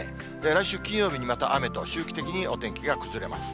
来週金曜日にまた雨と、周期的にお天気が崩れます。